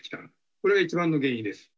これが一番の原因です。